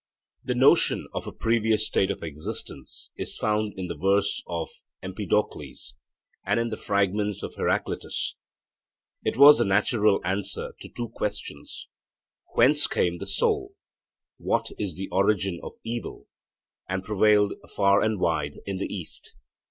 The notion of a previous state of existence is found in the verses of Empedocles and in the fragments of Heracleitus. It was the natural answer to two questions, 'Whence came the soul? What is the origin of evil?' and prevailed far and wide in the east.